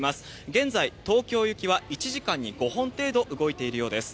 現在、東京行きは１時間に５本程度、動いているようです。